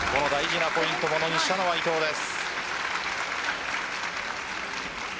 この大事なポイントをものにしたのは伊藤です。